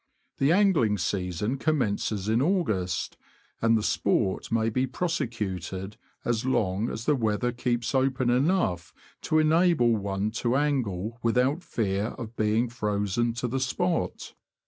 The angling season commences in August, and the sport may be prosecuted as long as the weather keeps open enough to enable one to angle without fear of being frozen to the spot.